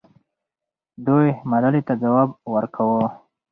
دوی ملالۍ ته ځواب ورکاوه.